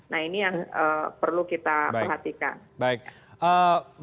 nah ini yang perlu kita perhatikan